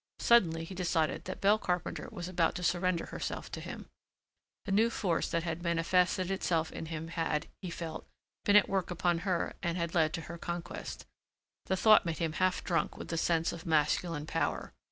Suddenly he decided that Belle Carpenter was about to surrender herself to him. The new force that had manifested itself in him had, he felt, been at work upon her and had led to her conquest. The thought made him half drunk with the sense of masculine power.